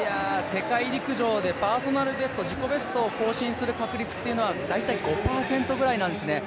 世界陸上でパーソナルベスト、自己ベストを更新する確率は大体５％ぐらいなんですね。